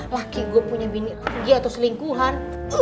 laki gue punya bini dia terus lingkuhan